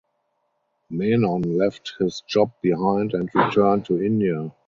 Menon left his job behind and returned to India.